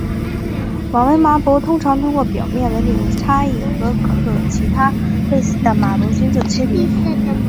网纹马勃通常透过表面纹理的差异可和其他类似的马勃菌作区别。